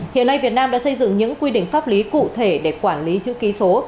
hiện nay việt nam đã xây dựng những quy định pháp lý cụ thể để quản lý chữ ký số